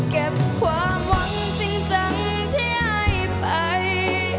เก็บความหวังจริงจังที่ได้ไป